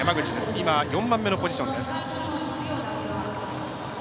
今、４番目のポジションです。